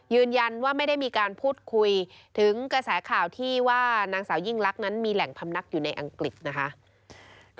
ยืนยันว่าไม่ได้มีการพูดคุยถึงกระแสข่าวที่ว่านางสาวยิ่งลักษณ์นั้นมีแหล่งพำนักอยู่ในอังกฤษนะคะ